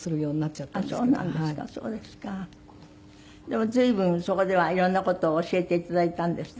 でも随分そこでは色んな事を教えて頂いたんですって？